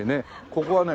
ここはね